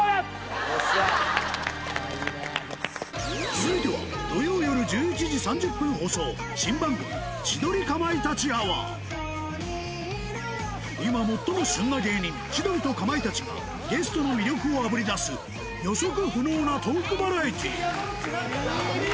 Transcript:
続いては新番組今最も旬な芸人千鳥とかまいたちがゲストの魅力をあぶり出す予測不能なトークバラエティー